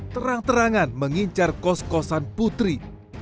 terang terangan mengincar kos kosan putri